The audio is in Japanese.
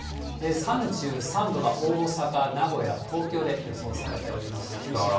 ３３度が大阪、名古屋、東京で予想されておりまして、厳しい暑さ。